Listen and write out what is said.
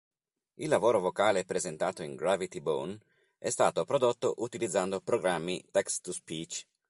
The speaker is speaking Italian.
Il lavoro vocale presentato in Gravity Bone è stato prodotto utilizzando programmi text-to-speech.